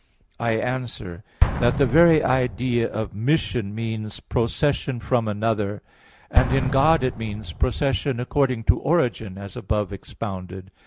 I answer that, The very idea of mission means procession from another, and in God it means procession according to origin, as above expounded.